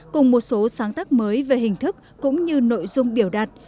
cùng một số sáng tác mới về hình thức cũng như nội dung biểu đạt